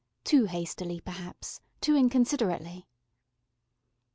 Too hastily, perhaps too inconsiderately.